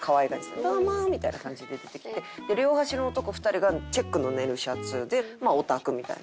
「どうも」みたいな感じで出てきて両端の男２人がチェックのネルシャツでまあオタクみたいな。